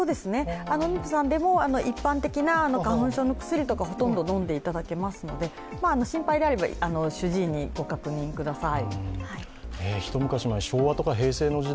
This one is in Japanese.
妊婦さんでも一般的な花粉症の薬とか、ほとんど飲んでいただけますので、心配であれば主治医にご確認ください。